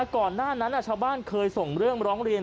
ก่อนหน้านั้นชาวบ้านเคยส่งเรื่องร้องเรียน